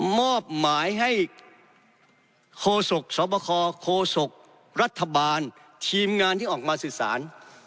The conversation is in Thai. มอบหมายให้โคศกสวบคโคศกรัฐบาลทีมงานที่ออกมาสื่อสาร